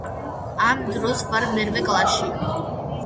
ამ დროს ვარ მერვე კლასში